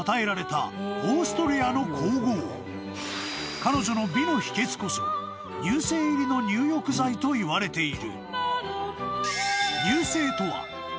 ［彼女の美の秘訣こそ乳清入りの入浴剤といわれている］